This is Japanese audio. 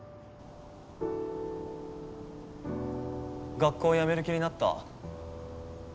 学校やめる気になった？